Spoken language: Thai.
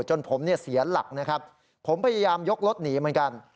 จนผมเนี่ยเสียหลักนะครับผมพยายามยกรถหนีเหมือนกัน